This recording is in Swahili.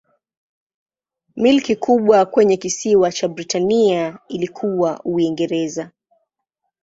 Milki kubwa kwenye kisiwa cha Britania ilikuwa Uingereza.